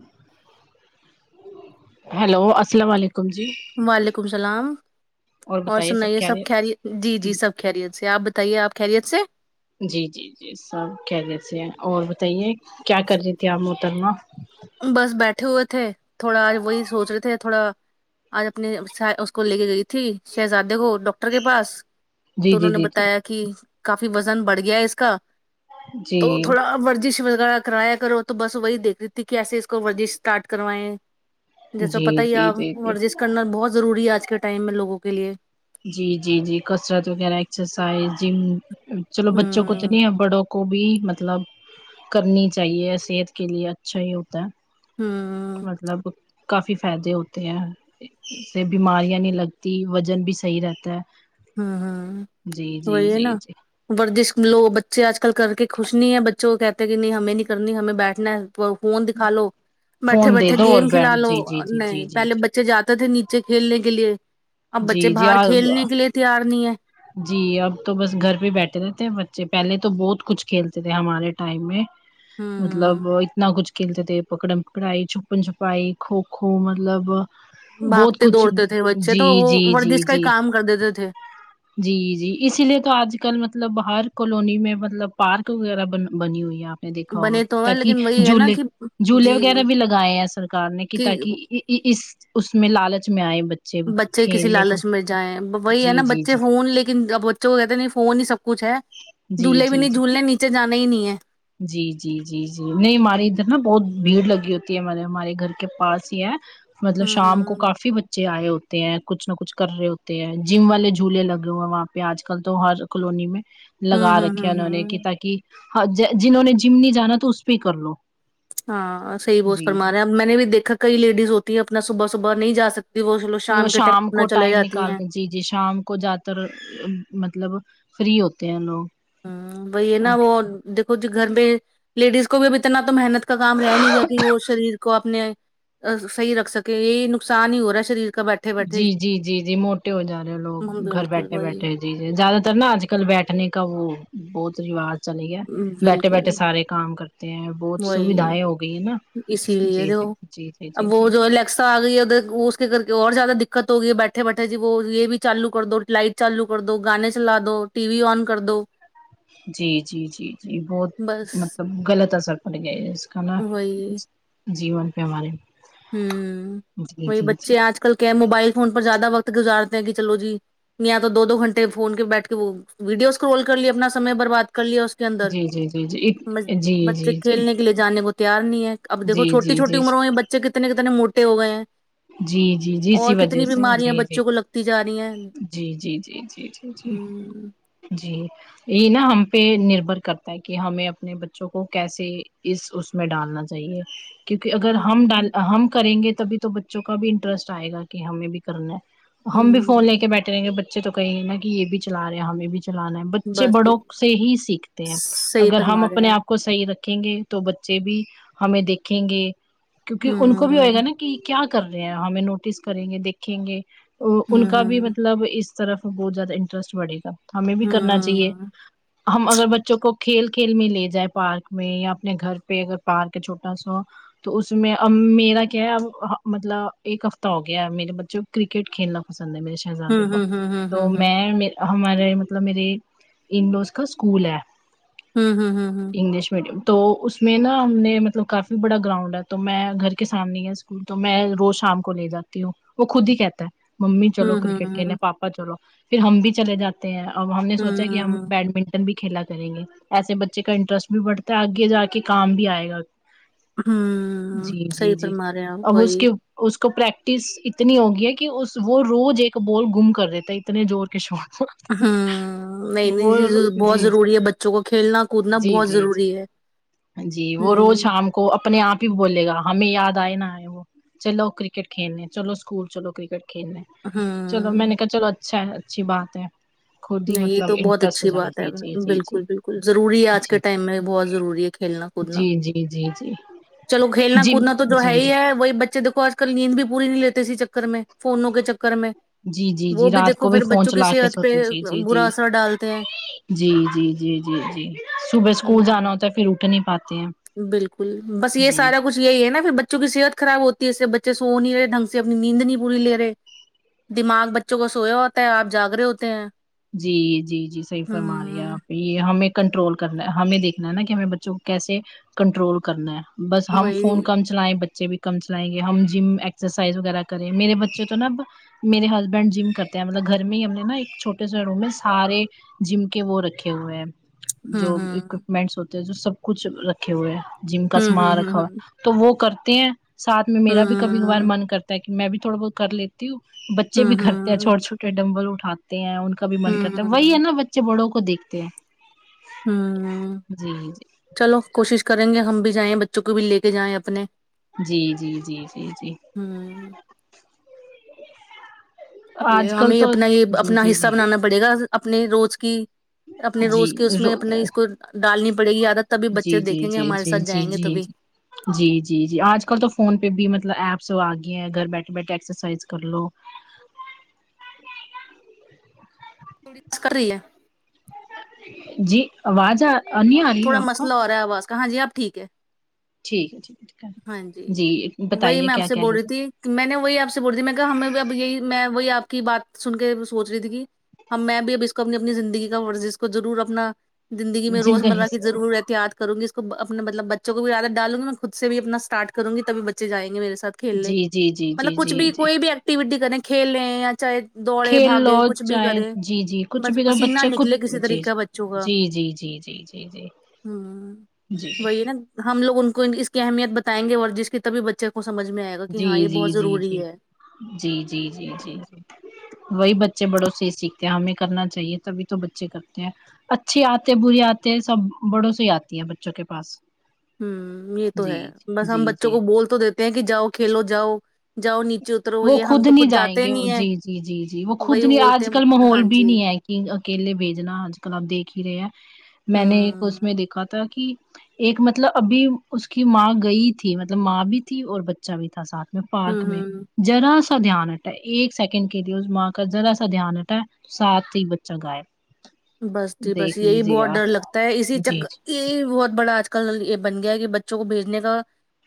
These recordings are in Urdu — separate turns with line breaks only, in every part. [inaudible]
ہیلو السلام علیکم جی
وعلیکم السلام اور سنائیے سب خیریت جی جی سب خیریت سے آپ بتائیے آپ خیریت سے
جی جی جی سب خیریت سے ہیں اور بتائیے کیا کر رہی تھی آپ محترمہ
بس بیٹھے ہوئے تھے تھوڑا آج وہی سوچ رہے تھے تھوڑا اج اپنے اس کو لے کے گئی تھی شہزادے کو ڈاکٹر کے پاس
جی
تو انہوں
جی
نے
جی جی
بتایا کہ کافی وزن بڑھ گیا اس کا تو تھوڑا ورزش وغیرہ کرایا کرو تو بس وہی دیکھ کیس اس کو ورزش اسٹارٹ کروائے جیسا پتہ
جی
ہی
جی جی
اپ
جی جی
ورزش کرنا بہت ضروری ہے اج کے ٹائم میں لوگوں کے لیے
جی جی جی کسرت وغیرہ ایکسرسائز جم چلو بچوں کو تو
ہوں
نہیں ہے بڑوں کو بھی مطلب کرنی چاہیے صحت کے لیے اچھا ہی ہوتا ہے
ہاں
مطلب کافی فائدے ہوتے ہیں سے بیماریاں نہیں لگتی وزن بھی صحیح رہتا
ہوں ہوں
ہے جی جی
وہی ہے
جی
نا
جی
ورزش لوگ بچے اج کل کر کے خوش نہیں ہے بچوں کو کہتے کہ نہیں ہمیں نہیں کرنی ہمیں بیٹھنا ہے فون دکھا لو بیٹھے
فون دے
بیٹھے
دو اور
گیم
بین
کھلا لو
جی جی جی جی
نہیں
جی
پہلے بچے جاتے تھے نیچے کھیلنے کے لیے اب
جی
بچے
جی
باہر کھیلنے کے لیے تیار نہیں ہے
جی اب تو بس گھر پہ بیٹھے رہتے ہے بچے پہلے تو بہت کچھ کھیلتے تھے ہمارے ٹائم میں
ہوں
مطلب اتنا کچھ کھیلتے تھے پکڑن پکڑائی چھپن چھپائی کوکھو مطلب بہت
بھاگتے
کچھ
دوڑتے تھے بچے
جی
تو وہ
جی جی
ورزش کا ہی
جی
کام کر دیتے تھے
جی جی اسی لیے تو اج کل مطلب ہر کالونی میں مطلب پارک وغیرہ بن بنی ہوئی ہے اب میں دیکا ہوگا
بنے تو ہیں
تاکہ
لیکن وہی ہے نا
جولے
کہ
جوولے
جی
وغیرہ بھی لگائے ہیں سرار نے کہ تاک اس اس اوس میں لالچ میں ائے بچے
بچے کسی
کھیلنے کو
لالچ میں جائیں وہی ہے
جی
نا
جی
بچے
جی
فون لے کے لیکن اب بچے کہتے ہے فون ہی سب کچ ہے
جی
جھولے بھی
جی
نہیں
جی
جھولنے نیچے جانا ہی نہیں ہے
جی جی جی جی نہیں ہماری ادھر نا بہت بھیڑ لگی ہوتی ہے ہمارے ہمارے گھر کے پاس ہی ہے مطلب
ہوں
شام کو
ہوں
کافی بچے آئے ہوتے ہیں کچھ نہ کچھ کر رہے ہوتے ہیں جم والے جھولے لگے ہوئے ہیں وہاں پہ اج کل تو ہر کالونی میں
ہوں
لگا
ہوں
رکھے
ہوں
انہوں نے کہ
ہوں
تاکہ ہا جنہوں نے جم نہیں جانا تو اس پہ ہی کر لو
ہاں صحیح بوس
جی
فرما رہے ہیں اپ میں نے بھی دیکھا کئی لیڈیز ہوتی ہیں اپنا صبح صبح نہیںا سکتی وہو
شام کو ٹائم نکالتے جی جی شام کو جات تر مطلب فری ہوتے ہیں لوگ
ہا بئی ہے نہ
ان کے
وہ دیکو جی گھر میں لیڈیز کو بھی اب اتنا تو محنت کا کام رہ نہیں گیا کہ وہ شریر کو اپنے صحیح رکھ سکیں یہی نقصان ہی ہو رہا ہے شریر کا بیٹ
جی جی جی جی موٹے ہو جا رہے ہو لوگ
ہم
گھر
بالکل
بیٹھے
وہی
بیٹھے جی جی زیادہ تر نا اج کل بیٹھنے کا وہ بہت رواج چلی گیا بیٹھے بیٹھے
بالکل
سارے کام کرتے ہیں بہت
وہی
سویدھائیں ہو گئی ہے نا
اسی لیے
جی جی
دیکھو
جی جی
اب
جی
وہ
جی
جو
جی
الیکسا ا گئی ہے ادھر اس کے کر کے اور زیادہ دقت ہوئی ہے بیٹھے بیٹھے جی وہ یہ بھی چالو کر دو لائٹ چالو کر دو گانے چلا دو ٹی وی ان کر دو
جی جی جی جی بہت
بس
مطلب غلط اثر پڑ گیا کنا
وہی
جی ون پہ ہمارے
ہم
جی
وہی
جی جی
بچے اج کل کیا موبائل فون پر زیادہ وقت گزارتے ہیں کہ چلو جی یا تو دو گھنٹے فون کے بیٹھ کے وہ ویڈیو سکرول کر لیا اپنا سمے بر بات کر لیا اس کے اندر
جی جی جی جی ایک جی
بچے
جی جی
کھیلنے کے کے لیے جان کو تیار نہیں ہے اب دھو
جی جی
چھوٹی چھوٹی
جی
عمروں میں بچے کتنے کتنے موٹے ہو گئے ہیں
جی جی جی اسی
اور
وجہ
کتنے
سے
بیماریاں
جی جی
بچوں کو لگتی جا رہی ہیں
جی جی جی جی جی جی
ہم
جی یہ نا ہم پہ نربھر کرتا ہے کہ ہمیں اپنے بچوں کو کیسے اس اوس میں ڈالنا چاہیے کیوںکہ اگر ہم
ہ
ڈال ہم کریں گے تبھی تو بچوں کا بھی انٹرسٹ آئے گا کہ ہمیں بھی کرنا ہے ہم بھی فون لے
ہوں
کے بیٹھے رہے گ بچے تو کہیں ہیں نا کہ یہ بھی چلا رہے ہیں ہمیں بھی چلانا ہے بچے
بس
بڑوں سے ہی سیکھتے ہیں
صحیح
اگر ہم
فرما رہے ہیں
اپنے آپ کو صحیح رکھیں گے تو بچے بھی ہمیں دیکھیں گے کیونکہ ان کو بھی ہوئے گا
ہوں
نا کی کیا کر رہے ہیں ہمیں نوٹس کریں گے دیکھیں گے ان کا بھی
ہوں
مط لب اس طرف بہت زیادہ انٹرسٹ بڑھے گا ہمیں بھی کرنا چاہیے ہم اگر بچوں کو کھیل کھیل میں لے جاے پارک میں یا اپنے گھر پہ اگر پارک ہے چھوٹا سا تو اس میں ام میرا کیا ہے اب مطلب ایک ہفتہ ہو گیا ہے میرے بچوں کو کرکٹ کھیلنا پسند ہے میرے شہزادے کو تو میں
ہوں
ہمارے مطلب میرے انڈوز کا اسکول ہے
ہمم ہمم ہمم ہمم
انگلش میڈیم تو اس میں نا ہم نے مطلب کافی بڑا گراؤنڈ ہے تو میں گھر کے سامنے ھی ہے اسکول تو میں روز شام کو لے جاتی ہوں وہ خود ہی کہتا ہے ممی چلو کرکٹ کھیلے پا پا چلو پھر ہم بھی چلے جاتے ہیں اور ہم نے سوچا کہ ہم بیڈمنٹن بھی کھیلا کریں گے ایسے بچے کا انٹرسٹ بھی بڑھتا ہے آگے جا کے کام بھی آئے گا
ہوں
جی جی
صحیح
جی
فرما رہے ہیں آپ
اب اس
وہی
کے اس کو پریکٹس اتنی ہوگی ہے کہ وہ روز ایک بال گم کر رہتا ہے اتنے زور کے شارٹ کو
ہاں نئی نئی چیزوں بہت
جی
ضروری ہے بچوں کو کھیلنا
جی
کودنا
جی
بہت
جی جی
ضروری ہے
جی وہ روز
ہوں
شام کو اپنے آپ ہی بولے گا ہمیں یاد آئے نہا آئے وہ چلو کرکٹ کھیلنے چلو اسکول چلو کرکٹ کھیلنے چلو میں
ہوں
نے کہا چلو اچھا ہے اچھی بات ہے خود ہی
نہیں یہ
مطلب
تو بہت
انٹرسٹ ہو
اچھی
جا کے
بات ہے
جی جی
بالکل بالکل ضروری ہے آج کے ٹائم میں بہت ضروری ہے کھیلنا کودنا
جی جی جی جی جی
چلو کھیلنا
جی جی
کودنا تو جو ہے
جی جی
ہی
جی
ہے وہی بچے دیکھو کل نیند بھی پوری نہیں لیتے اسی چکر میں فونوں کے چکر میں
جی جی
وہ
جی
بھی
رات
دیکھو
کو
پھر
فون
بچوں کی
چلا کے
صحت پہ
سوتے جی جی جی
برا اثر ڈال
جی جی جی جی جی صبح اسکول
ہ
جانا ہوتا ہے پھر اٹھ نہیں پاتے ہیں
بالکل بس یہ
جی
سارا کچھ یہی ہے نا پھر بچوں کی صحت خراب ہوتی ہے اس سے بچے سو نہیں رہے ڈھنگ سے اپنی نیند نہیں پوری لےرے دماغ بچوں کا سویا ہوتا ہے آپ جاگرے ہوتے ہیں
جی جی جی صحیح فرما رہی ہے
ہوں
آپ یہ ہمیں کنٹرول کرنا ہمیں دیکھنا ہے نا کہ ہمیں بچوں کو کیسے کنٹرول کرنا ہے بس ہم فون
وہی
کم سے چلائیں بچے بھی کم چلائیں گے ہم جم ایکسرسائز وغیرہ کریں میرے بچے تو نا میرے ہسبینڈ جم کرتے ہیں مطلب گھر میں ہی ہم نے نا ایک چھوٹ ا سا روم ہے سارے جم کے وہ رکھے ہوئے ہیں
ہوں
جو
ہوں
اکوپمنٹس ہوتے ہیں جو سب کچھ رکھے ہوئے ہیں جم کا
ہوں
سامان رکھا
ہوں
ہوا تو وہ کرتے ہیں ساتھ میں
ہوں
میرا بھی کبھی کبھار
ہوں
من کرتا ہے کہ میں بھی تھوڑا بہت کر لی بچے بھی کرتے ہیں
ہوں
چھوٹے چھوٹ ڈمبل اٹھاتے ہیں ان کا بھی من
ہوں
کرتا ہے وہی ہے
ہوں
نا ب بچے بڑوں کو دیکھتے ہیں
ہوں
جی
چلو کوشش کریں گے ہم بھی جائیں بچوں کو بھی لے کے جائیں اپنے
جی جی جی جی جی
ہوں یہ
آج کل
ہمیں
تو
اپنا یہ
جی
اپنا
جی
حصہ
جی
بنانا پڑے گا اپنے روز کی اپنے
جی
روز کے اس میں
رو
اپنے اس کو ڈالنی پڑے گی عادت تبھی بچے
جی جی
دیکھیں گے
جی جی
ہمارے ساتھ
جی
جائیں گے
جی
تبھی
جی جی جی آج کل تو فون پہ بھی مطلب ایپس آ گی ہیں گھر بیٹھے بیٹھے ایکسرسائز کر لو
تھوڑی [unintelligible] کر رہی ہے
جی آواز نہیں آ رہی ہے آپ کو
کہاں جی اب ٹھیک ہے
ٹھیک ہے ٹھیک ٹھیک
ہاں جی
ہے
وہی
بتائیے
میں آپ
کیا
سے
کہہ
بول رہی تھی میں نے وہی آپ سے بول رہی تھی میں کہا ہمیں اب یہی میں وہی آپ کی بات سن کے سوچ رہی تھی کی ہم میں بھی اب اس کو اپنی اپنی زندگی کا ورزش کو ضرور اپنا زندگی میں
جن کا
روزمرہ کی
حصہ
ضرورت تیاد کروں گی اس کو اپنےمطلب بچوں کو بھی عادت ڈالوں گی نا خود سے بھی اپنا اسٹارٹ کروں گی تبھی بچے جائیں گے میرے ساتھ کھیلنے
جی جی جی جی
مطلب کچھ
جی
بھی
جی
کوئی بھی ایکٹیوٹی کریں کھیلیں یا چاہے دوڑے
کھیل لو
بھاگے کچھ بھی
چاہے
کرے
جی جی کچھ
بس
بھی تو
پسینہ
بچے
نکلے
کچھ
کسی
جی
طریق کا بچ
جی جی جی جی جی جی
ہاں
جی
وہی نا ہم لوگ ان کو اس کی اہمیت بتائیں گے ورزش کی تبھی بچوں کو سمجھ میں آئے گا کہ
جی
ہاں
جی
یے بہت
جی جی
ضروری ہے
جی جی جی جی
ہوں
جی وہی بچے بڑوں سے ہی سیکھتے ہیں ہمیں کرنا چاہیے تبھی تو بچے کرتے ہیں اچھی آتے بری آتے سب بڑوں سے ہی آتی ہے بچوں کے پاس
ہمم یے تو
جی
ہے بس ہم
جی
بچوں
جی
کو بول تو دیتے ہیں کی جاؤ کھیلو جاؤ جاؤ نیچے اترو
وہ
یہ ہم
خود
تو
نہیں جائیں
جاتے
گے
نہیں ہیں
جی جی جی جی وہ خود
وہی
نہیں
بولتے
آج کل
ہیں ہاں
ماحول بھی
جی
نہیں ہے اکیلے بھیجنا آج کل آپ دیکھ ہی رہے ہیں میں نے ایک اس میں
ہوں
دیکھا تھا کی ایک مطلب ابھی اس کی ماں گئی تھی مطلب ماں بھی تھی اور بچہ بھی تھا ساتھ میں پارک
ہوں
میں
ہوں
ذرا سا دھیان ہٹا ہے ایک سیکنڈ کے لیے اس ماں کا ذرا سا دھیان ہٹا ساتھ ہی بچہ گیاب
بس جی بس یہی بہت ڈر لگتا ہے اسی
جی جی
چکر یہی بہت بڑا آج کل یے بن گیا ہے کی بچوں کو بھیجنے کا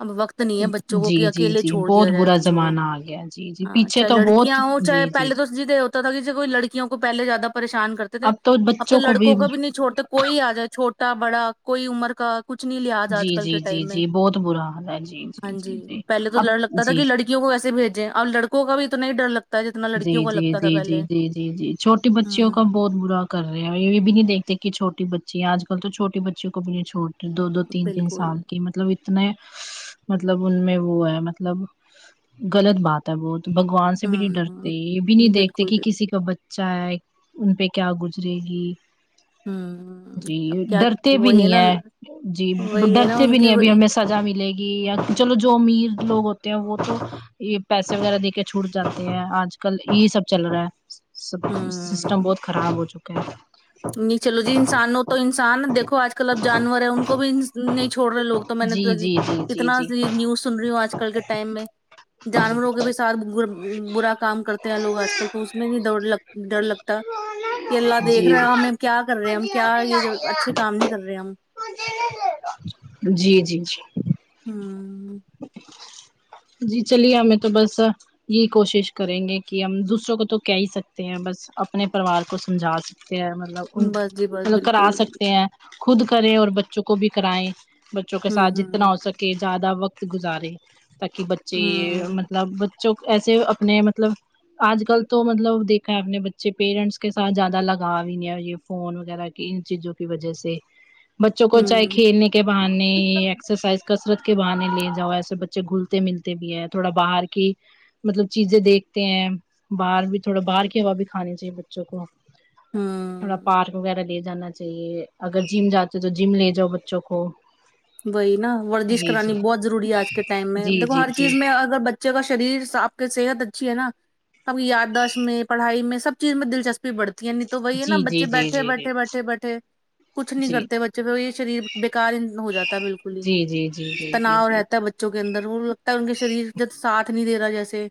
اب وقت نہیں ہے بچوں کو
جی
کی
جی
اکیلے
جی
چھوڑ دیا
بہت
جائے
برا
بچوں کو
زمانہ آ گیا جی جی
ہاں
پیچھے
چاہے
تو بہت
لڑکیاں ہوں چاہے
جی
پہلے تو جی یے ہوتا تھا کی جے کوئی لڑکیوں کو پہلے زیادہ پریشان کرتے تھے اب تو لڑکوں کو بھی نہیں چھوڑتے کوئی آ جائے چھوٹا بڑا کوئی عمر کا کچھ نہیں لہذ آج
جی
کل کے
جی جی
ٹائم میں
جی بہت برا حال ہے جی
ہاں جی پہلے تو
اب
ڈر لگتا تھا
جی
کی لڑ کیوں کو کیسے بھیجے اب لڑکوں کا بھی اتنا ہی ڈر لگ
جی جی جی جی جی جی جی چھوٹے بچیوں
ہوں
کا بہت برا کر رہے ہیں اور یے بھی نہیں دیکھتے کی چھوٹی بچی ہے آج کل تو چوٹی بچیوں کو بھی نہیں چھوڑ دو دو تین تین
بالکل
سال کہ مطلب اتنے مطلب ان میں وہ ہے مطلب غلط بات ہے بہت بگوان سے بھی نہیں ڈرتے
ہوں
یے بھی نہیں دیکھتے
بالکل
کی کسی کسیکا بچہ ہے ان پے کیا گزرے گی
ہوں
جی
اب کیا
ڈرتے بھی
وہی
نہیں
نا
ہے جی
وہی ہے نا
ڈرتے
ان
بھی
کی
نہیں ابھی
وہی-
ہمیں سزا ملے گی یا چلو جو امیر لوگ ہوتے ہیں وہ تو یے پیسے وغیرہ دے کے چھوٹ جاتے ہیں آج کل یہی سب چل رہا ہے سب سسٹم
ہوں
بہت خراب ہو چکا ہے
نہیں چلو جی انسانوں تو انسان دیکھو آج کل اب جانور ہیں ان کو بھی نہیں چھوڑ رہے لوگ تو میں نے تو جی
جی جی
اتنا
جی
سی نیوز سن رہی ہوں آج کل کے ٹائم میں
جی
جانوروں کے بھی ساتھ برا کام کرتے ہیں لوگ آج کل تو اس میں نہیں ڈرلگ ڈر لگتا کہ اللہ دیکھ
جی
کھرا ہمیں کیا کر رہے ہم کیا یے اچھے کام نہیں کر رہے ہم
جی جی جی
ہمم
جی چلیے ہمیں تو بس یہی کوشش کریں گے کہ ہم دوسروں کو تو کہہ ہی سکتے ہیں بس اپنے پریوار کو سمجھا سکتے ہیں مطلب
بس جی بس
مطلب کرا
بالکل
سکتے ہیں خود کریں اور بچوں کو بھی کرائیں بچوں کے
ہوں
ساتھ جتنا ہو
ہوں
سکے کہ زیادہ وقت گزارے تاکہ بچے یہ
ہوں
مطلب جو ایسے اپنے مطلب آج کل تو مطلب دیکھا ہے اپنے بچے پیرنٹس کے ساتھ زیادہ لگاؤ ہی نہیں ہے یہ فون وغیرہ کی ان چیزوں کی وجہ سے بچوں کو
ہوں
چاہے
ہوں
کھیلنے کے بہانے ایکسرسائز کثرت کے بہانے لے جاؤ ایسے بچے گھلتے ملتے بھی ہے تھوڑا باہر کی مطلب چیزیں دیکھتے ہیں باہر بھی تھوڑا باہر کی ہوا بھی کھانی چاہیے بچوں کو تھوڑا
ہوں
پارک وغیرہ لے جانا چاہیے اگر جم جاتے تو جم لے جاؤ بچوں کو
وہی نا وردش
جی
کرانی
جی
بہت ضروری ہے اج کے ٹائم میں
جی
دیکھو
جی
ہر
جی
چیز میں اگر بچ بچے کا شریر ساتھ میں صحت اچھی ہے نا ہمیں یاداشت میں پڑھائی میں سب چیز میں دلچسپی بڑھتی یعنی تو وہی ہے نا
جی جی
بچے
جی
بیٹھے
جی
بیٹھے بیٹھے بیٹھے کچھ نہیں
جی
کرتے بچے یہ شریر بیکار ہو جاتا ہے بالکل ہی
جی جی جی جی جی جی
تناؤ رہتا ہے بچ بچوں کے اندر وہ لگتا ہے ان کے شریر جب ساتھ نہیں دے رہا جیسے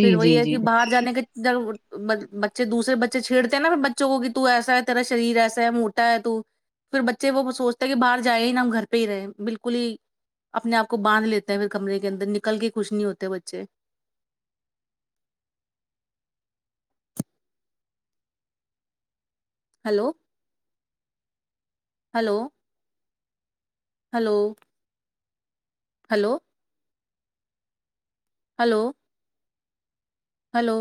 پھر وہی
جی
ہے
جی
کہ باہر جانے کے جب بچے دوسرے بچے چھیڑتے ہیں نا پھر بچوں کو کہ تو ایسا ہے تیرا شریر ایسا ہے موٹا ہے تو پھر بچے وہ سوچتا کہ باہر جائے نا ہم گھر پی رہے ہے بالکل ہی اپنے آپ کو باندھ لیتے ہے پھر کمرے کے اندر نکل کے خوش نہیں ہوتے بچے hello hello hello hello hello hello